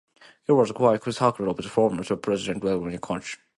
It was quite critical of the former President Leonid Kuchma.